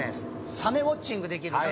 サメウオッチングできる。